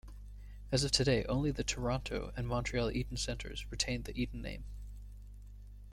As of today only the Toronto and Montreal Eaton Centres retain the Eaton name.